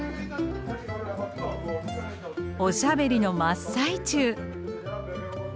おしゃべりの真っ最中。